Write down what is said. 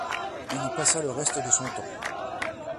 Il y passa le reste de son temps.